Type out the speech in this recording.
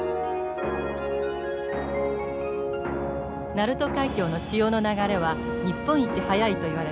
鳴門海峡の潮の流れは日本一速いといわれています。